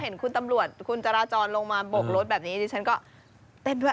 เห็นคุณตำรวจคุณจราจรลงมาบกรถแบบนี้ดิฉันก็เต้นด้วย